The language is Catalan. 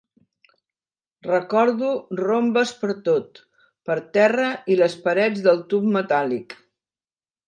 Recordo rombes pertot, pel terra i les parets del tub metàl·lic.